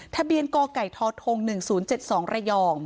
ทะเบียนกไก่ทท๑๐๗๒ระยอง